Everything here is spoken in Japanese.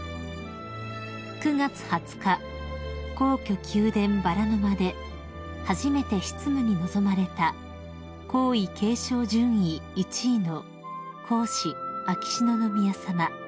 ［９月２０日皇居宮殿薔薇の間で初めて執務に臨まれた皇位継承順位１位の皇嗣秋篠宮さま］